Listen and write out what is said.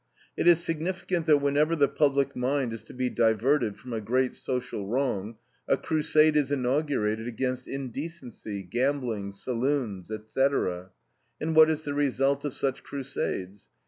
It is significant that whenever the public mind is to be diverted from a great social wrong, a crusade is inaugurated against indecency, gambling, saloons, etc. And what is the result of such crusades?